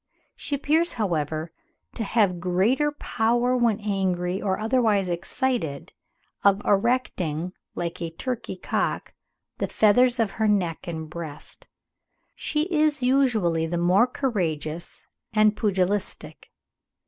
She appears, however, "to have greater power, when angry or otherwise excited, of erecting, like a turkey cock, the feathers of her neck and breast. She is usually the more courageous and pugilistic.